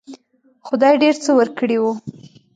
خدای ډېر څه ورکړي وو.